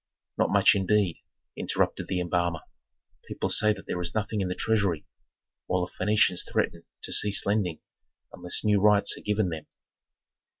"Not much indeed!" interrupted the embalmer. "People say that there is nothing in the treasury, while the Phœnicians threaten to cease lending unless new rights are given them."